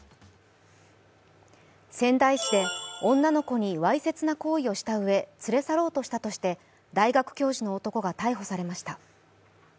仙台市で女の子にわいせつな行為をしたうえ、連れ去ろうとしたとして、大学教授の男が逮捕されました。